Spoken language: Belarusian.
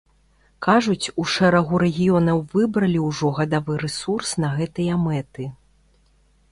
Кажуць, у шэрагу рэгіёнаў выбралі ўжо гадавы рэсурс на гэтыя мэты.